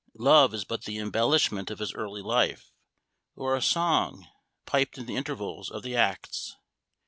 Love is but the embellishment of his early life, or a song piped in the intervals of the acts.